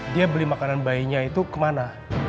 dia beli makanan bayinya itu kemana